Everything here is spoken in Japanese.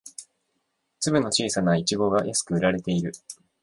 粒の小さなイチゴが安く売られている